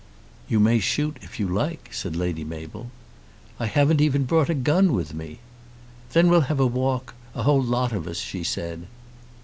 "You may shoot if you like," said Lady Mabel. "I haven't even brought a gun with me." "Then we'll have a walk, a whole lot of us," she said.